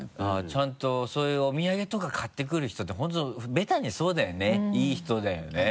ちゃんとそういうお土産とか買ってくる人って本当ベタにそうだよねいい人だよね。